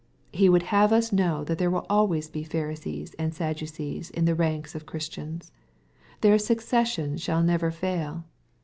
He would have us know that there will always be Pharisees and Sadducees in the ranks of Christians. Their succession shall never fail.